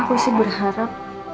aku sih berharap